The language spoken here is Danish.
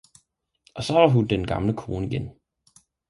og så var hun den gamle kone igen.